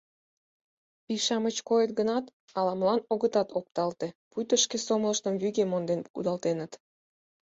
Пий-шамыч койыт гынат, ала-молан огытат опталте, пуйто шке сомылыштым вӱге монден кудалтеныт.